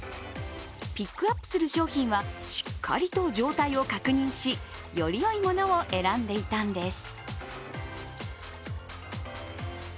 ピックアップする商品はしっかりと状態を確認しよりよい物を選んでいたんです。